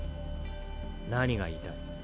何が言いたい？